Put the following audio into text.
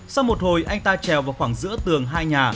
sau một hồi anh ta trèo vào khoảng giữa tường hai nhà